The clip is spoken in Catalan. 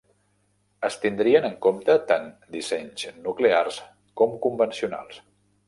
Es tindrien en compte tant dissenys nuclears com convencionals.